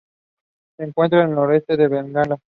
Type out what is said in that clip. Se encuentra al noreste de Bengala.